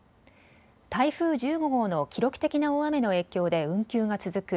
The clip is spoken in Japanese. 台風１５号の記録的な大雨の影響で運休が続く